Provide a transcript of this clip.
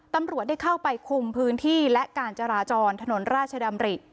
ตำรวจได้เข้าไปคุมพื้นที่และการจราจรถนนราชดำริ